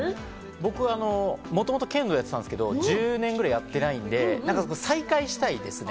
僕、もともと剣道をやってたんですけど、１０年ぐらいやってないんで、再開したいですね。